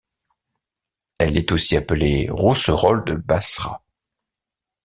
Elle est aussi appelée Rousserolle de Basra.